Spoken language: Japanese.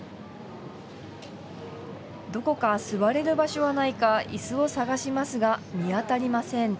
どこか座れる場所はないかいすを探しますが見当たりません。